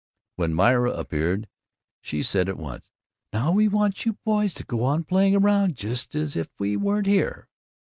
When Myra appeared she said at once, "Now, we want you boys to go on playing around just as if we weren't here."